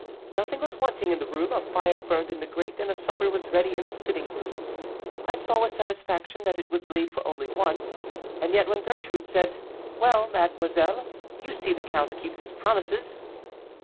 "Nothing was wanting in the room; a fire burned in the grate, and a supper was ready in the sitting room. I saw with satisfaction that it was laid for one only, and yet when Gertrude said, 'Well, mademoiselle, you see the count keeps his promises.